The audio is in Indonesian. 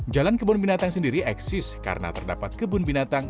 jalan kebun binatang sendiri eksis karena terdapat kebun binatang